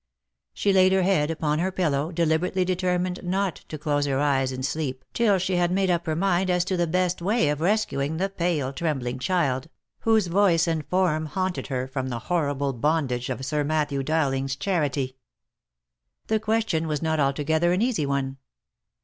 She laid, her head upon her pillow deliberately determined not to close her eyes in sleep till she had made up her mind as to the best way of rescuing the pale trembling child, whose voice and form haunted her, from the horrible bondage of Sir Matthew Dowling's charity. The question was not altogether an easy one.